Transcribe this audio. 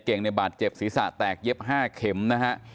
ในบาดเจ็บศีรษะแตกเย็บ๕เข็มนะฮะ